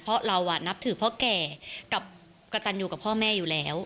เพราะเรานับถือพ่อแก่กับกระตันอยู่กับพ่อแม่อยู่แล้ว